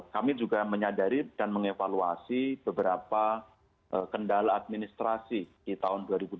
kami juga menyadari dan mengevaluasi beberapa kendala administrasi di tahun dua ribu dua puluh